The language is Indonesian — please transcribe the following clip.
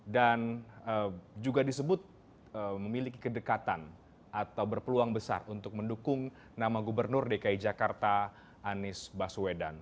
dan juga disebut memiliki kedekatan atau berpeluang besar untuk mendukung nama gubernur dki jakarta anies baswedan